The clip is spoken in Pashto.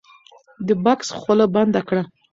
د بکس خوله بنده کړه.